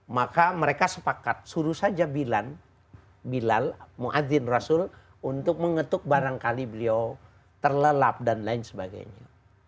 maka mereka sepakat suruh saja bilal ⁇ muadzin ⁇ rasul untuk mengetuk barangkali beliau terlelap dan lain sebagainya